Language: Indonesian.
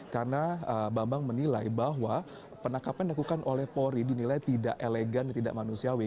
karena mbak mas menilai bahwa penangkapan yang dilakukan oleh polri dinilai tidak elegan dan tidak manusiawi